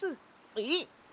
えっ？